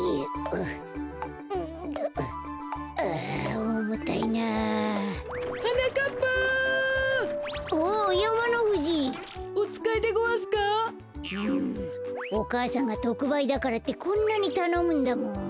うんおかあさんがとくばいだからってこんなにたのむんだもん。